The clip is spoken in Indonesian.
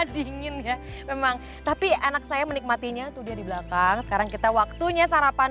dingin ya memang tapi anak saya menikmatinya tuh dia di belakang sekarang kita waktunya sarapan